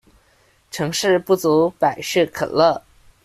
成事不足百事可樂